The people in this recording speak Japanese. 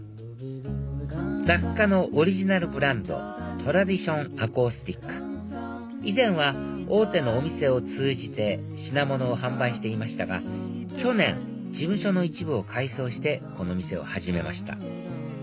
雑貨のオリジナルブランドＴＲＡＤＩＴＩＯＮＡＣＯＵＳＴＩＣ．以前は大手のお店を通じて品物を販売していましたが去年事務所の一部を改装してこの店を始めました